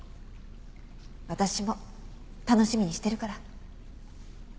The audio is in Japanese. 私も楽しみにしてるから。